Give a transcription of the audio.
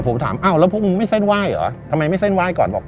ผมถามอ้าวแล้วพวกมึงไม่เส้นไหว้เหรอทำไมไม่เส้นไหว้ก่อนบอก